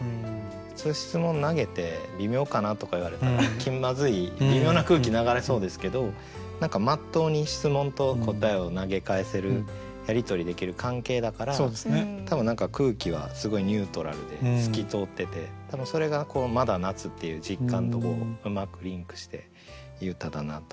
普通質問投げて「微妙かな」とか言われたら気まずい微妙な空気流れそうですけどまっとうに質問と答えを投げ返せるやり取りできる関係だから多分空気はすごいニュートラルで透き通ってて多分それがこの「まだ夏」っていう実感とうまくリンクしていい歌だなと。